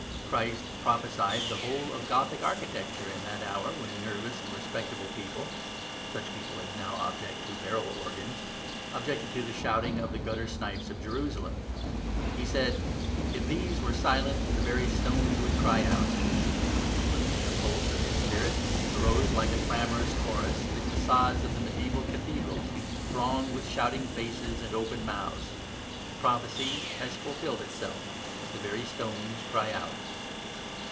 Christ prophesied the whole of Gothic architecture in that hour when nervous and respectable people (such people as now object to barrel organs) objected to the shouting of the gutter snipes of Jerusalem. He said, "If these were silent, the very stones would cry out." Under the impulse of His spirit arose like a clamorous chorus the facades of the mediaeval cathedrals, thronged with shouting faces and open mouths. The prophecy has fulfilled itself: the very stones cry out.